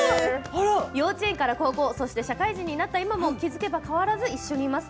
幼稚園から高校そして社会人になった今も気付けば変わらず一緒にいます。